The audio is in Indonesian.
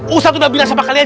ustadz udah bilang sama kalian